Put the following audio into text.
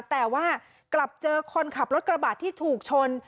แต่ว่ากลับเจอคนขับรถกระบะที่ถูกชน